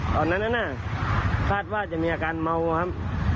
ตอนนั้นคาดว่าจะมีอาการเมาครับ